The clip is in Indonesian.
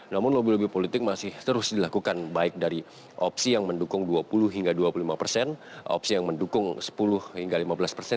namun lebih lebih politik masih terus dilakukan baik dari opsi yang mendukung dua puluh hingga dua puluh lima persen